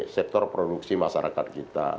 sektor produksi masyarakat kita